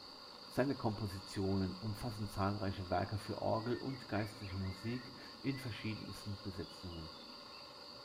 Seine Kompositionen umfassen zahlreiche Werke für Orgel und geistliche Musik in verschiedensten Besetzungen.